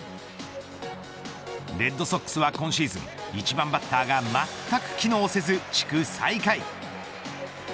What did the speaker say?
レッドソックスは今シーズン１番バッターがまったく機能せず地区最下位。